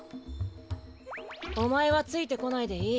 おまえはついてこないでいい。